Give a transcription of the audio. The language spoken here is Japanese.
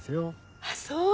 あっそう！